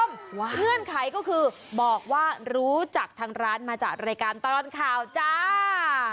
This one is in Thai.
เงื่อนไขก็คือบอกว่ารู้จักทางร้านมาจากรายการตลอดข่าวจ้า